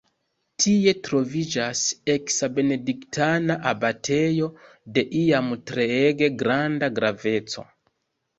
Tie troviĝas eksa benediktana abatejo de iam treege granda graveco.